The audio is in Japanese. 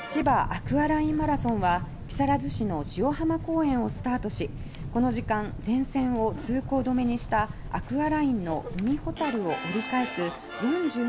アクアラインマラソンは木更津市の潮浜公園をスタートしこの時間、全線を通行止めにしたアクアラインの海ほたるを折り返す４２．１９５